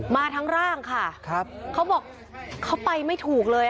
มาทั้งร่างค่ะเขาบอกเขาไปไม่ถูกเลย